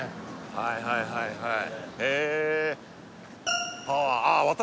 はいはいはいはいへえ